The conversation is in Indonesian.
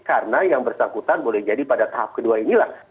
karena yang bersangkutan boleh jadi pada tahap kedua ini lah